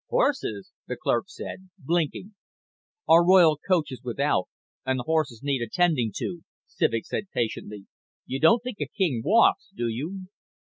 "Horses?" the clerk said, blinking. "Our royal coach is without, and the horses need attending to," Civek said patiently. "You don't think a king walks, do you?"